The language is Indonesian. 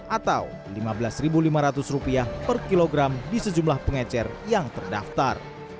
atau rp lima belas lima ratus per kilogram di sejumlah pengecer yang terdaftar